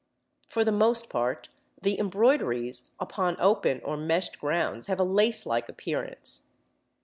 For the most part the embroideries upon open or meshed grounds have a lace like appearance.